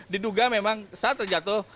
diduga memang saat terjatuh